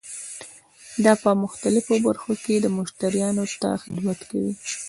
دا په مختلفو برخو کې مشتریانو ته خدمت کوي.